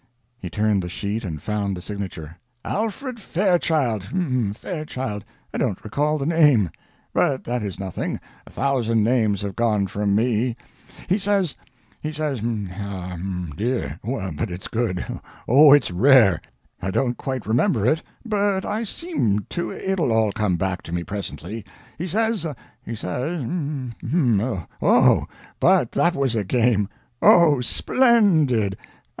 He turned the sheet and found the signature. "Alfred Fairchild hm Fairchild I don't recall the name. But that is nothing a thousand names have gone from me. He says he says hm hmoh, dear, but it's good! Oh, it's rare! I don't quite remember it, but I seem to it'll all come back to me presently. He says he says hm hm oh, but that was a game! Oh, spl endid!